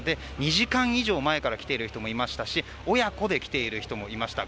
２時間以上前から来ている人もいましたし親子で来ている人もいました。